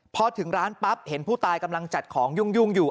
พอถึงร้านปั๊บเห็นผู้ตายกำลังจัดของยุ่งอยู่